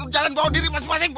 jalan bawa diri masing masing